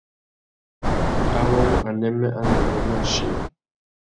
Awô wu anêmê a ndú mú mù achiya.